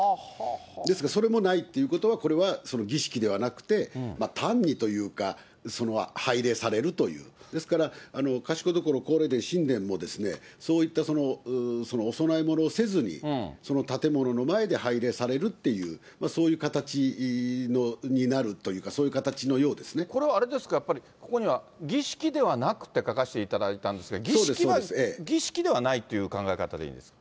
ですが、それもないということは、これはその儀式ではなくて、単にというか、拝礼されるという、ですから、賢所皇霊殿神殿でも、そういったお供え物をせずに、その建物の前で拝礼されるっていう、そういった形になるというか、そういう形のようですね。これはあれですか、やっぱりここには儀式ではなくって書かせていただいたんですが、儀式ではないという考え方でいいんですか。